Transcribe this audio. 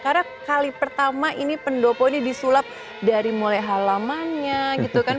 karena kali pertama ini pendopo ini disulap dari mulai halamannya gitu kan